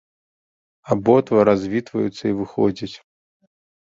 Абодва развітваюцца і выходзяць.